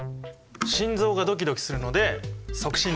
心臓がドキドキするので促進です。